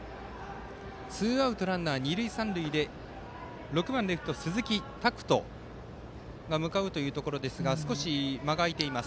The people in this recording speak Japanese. ツーアウトランナー、二塁三塁で６番レフト、鈴木拓斗が向かうというところですが少し間が空いています。